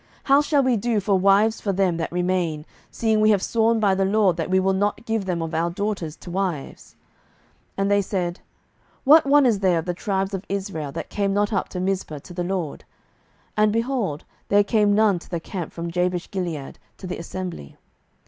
07:021:007 How shall we do for wives for them that remain, seeing we have sworn by the LORD that we will not give them of our daughters to wives? 07:021:008 And they said, What one is there of the tribes of Israel that came not up to Mizpeh to the LORD? And, behold, there came none to the camp from Jabeshgilead to the assembly.